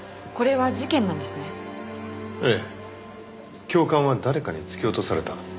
ええ教官は誰かに突き落とされた。